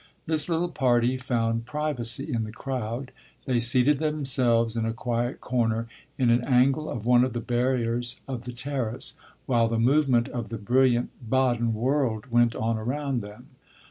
This little party found privacy in the crowd; they seated themselves in a quiet corner in an angle of one of the barriers of the terrace, while the movement of the brilliant Baden world went on around them.